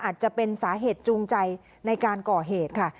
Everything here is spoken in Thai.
อาจจะเป็นสาเหตุจูงใจในการก่อเหตุค่ะ